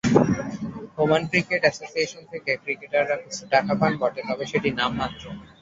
Oman cricket association থেকে ক্রিকেটাররা কিছু টাকা পান বটে, তবে সেটি নামমাত্র।